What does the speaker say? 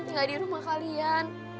tinggal di rumah kalian